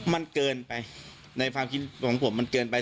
มันเกินไปในความคิดของผมมันเกินไป